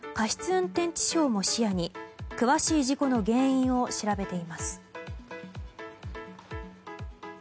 運転致傷も視野に詳しい事故の原因を調べています。